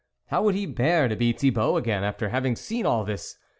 How would he bear to be Thibault again after having seen all this